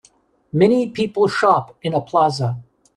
Many people shop in a plaza.